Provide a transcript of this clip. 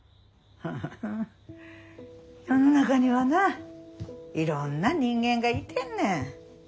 世の中にはないろんな人間がいてんねん。